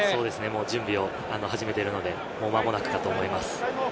準備を始めているので、もう間もなくかと思います。